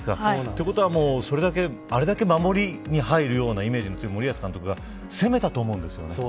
ということは、それだけあれだけ守りに入るような森保監督が攻めたと思うんです。